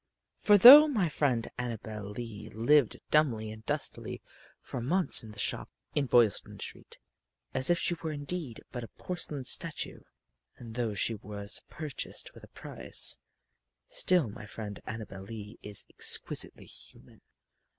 For though my friend Annabel Lee lived dumbly and dustily for months in the shop in Boylston street, as if she were indeed but a porcelain statue, and though she was purchased with a price, still my friend Annabel Lee is exquisitely human.